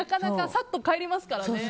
さっと帰りますからね。